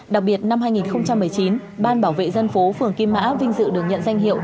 đặc biệt năm hai nghìn một mươi chín ban bảo vệ dân phố phường kim mã vinh dự được nhận danh hiệu